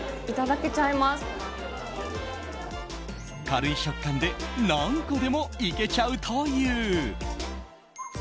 軽い食感で何個でもいけちゃうという。